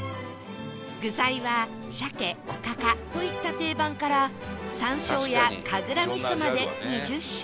具材はしゃけおかかといった定番から山椒やかぐら味まで２０種類